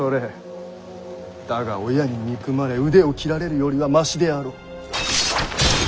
だが親に憎まれ腕を斬られるよりはましであろう。